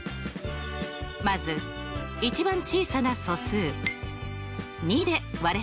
まず一番小さな素数２で割れそうですね。